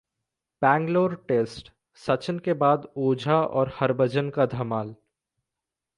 Bangalore test: Sachin के बाद ओझा और हरभजन का धमाल